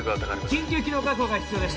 緊急気道確保が必要です